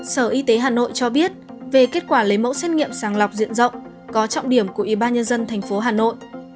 sở y tế hà nội cho biết về kết quả lấy mẫu xét nghiệm sàng lọc diện rộng có trọng điểm của ủy ban nhân dân thành phố hà nội